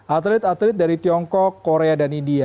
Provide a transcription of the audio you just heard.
atlet atlet dari tiongkok korea dan india